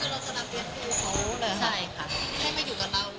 คือสำหรับเรียนคู่ของเขาเลยครับ